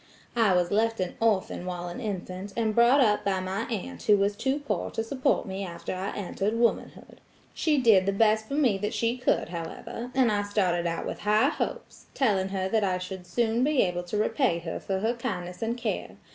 I was left an orphan while an infant, and brought up by my aunt who was too poor to support me after I entered womanhood. She did the best for me that she could, however, and I started out with high hopes, telling her that I should soon be able to repay her for her kindness and care.